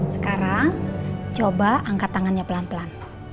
sekarang coba angkat tangannya pelan pelan